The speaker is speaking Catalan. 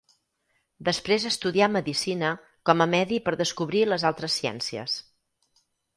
Després estudià medicina com a medi per descobrir les altres ciències.